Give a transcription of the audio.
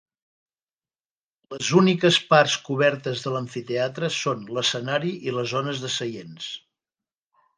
Les úniques parts cobertes de l'amfiteatre són l'escenari i les zones de seients.